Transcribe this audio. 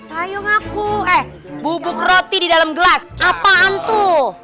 ayo ngaku eh bubuk roti di dalam gelas apaan tuh